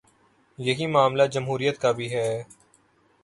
یہی معاملہ جمہوریت کا بھی ہے۔